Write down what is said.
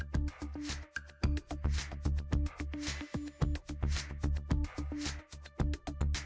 terima kasih pak budi